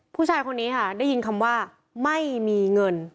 ผู้ชายคนนี้ค่ะได้ยินคำว่าไม่มีเงิน